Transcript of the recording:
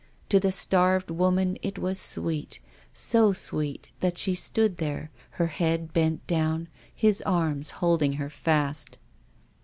To the starved woman it was sweet — so sweet that she stood there, her head bent down, his arms holding her fast.